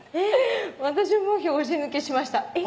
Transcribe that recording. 私も拍子抜けしましたえっ